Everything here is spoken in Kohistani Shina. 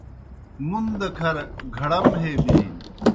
مُن دہ کھر گھڑم ہے بِلِن۔